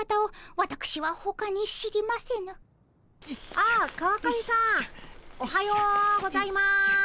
あっ川上さんおはようございます。